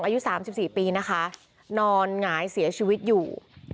อายุ๓๔ปีนะคะนอนหงายเสียชีวิตอยู่